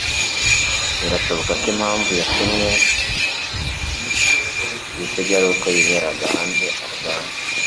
birashoboka ko impamvu yatuwe ibisigo ari uko yiberaga hanze arwana